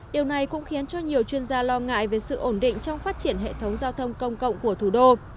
điều này cũng khiến cho nhiều chuyên gia lo ngại về sự ổn định trong phát triển hệ thống giao thông công cộng của thủ đô